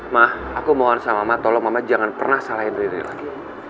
ma aku mohon sama mama tolong mama jangan pernah salahin riri lagi